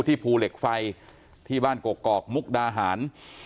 ภูเหล็กไฟที่บ้านกกอกมุกดาหาร